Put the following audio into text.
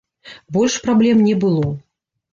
Больш праблем не было.